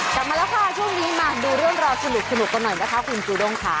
กลับมาแล้วค่ะช่วงนี้มาดูเรื่องราวสนุกกันหน่อยนะคะคุณจูด้งค่ะ